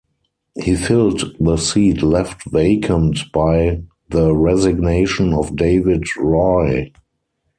He filled the seat left vacant by the resignation of Dawid Rooi.